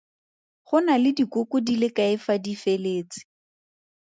Go na le dikoko di le kae fa di feletse?